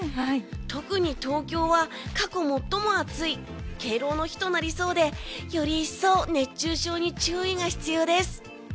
特に東京は、過去最も暑い敬老の日となりそうでより一層熱中症に注意が必要です。